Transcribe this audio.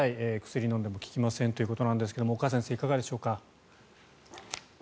薬を飲んでも効きませんということですが岡先生、いかがでしょうか？